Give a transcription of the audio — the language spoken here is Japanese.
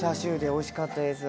おいしかったです。